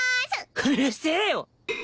うるせえよ！